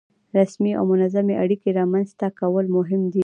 رسمي او منطقي اړیکې رامنځته کول مهم دي.